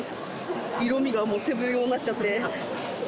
色味がもうセブ用になっちゃって。